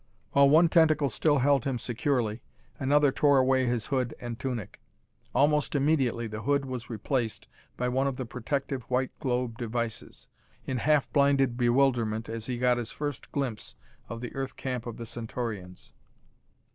While one tentacle still held him securely, another tore away his hood and tunic. Almost immediately the hood was replaced by one of the protective white globe devices. Dixon blinked for a moment in half blinded bewilderment as he got his first glimpse of the Earth camp of the Centaurians.